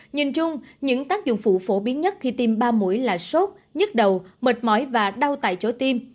nhìn chung những tác dụng phụ phổ biến nhất khi tiêm ba mũi là sốt nhức đầu mệt mỏi và đau tại chỗ tim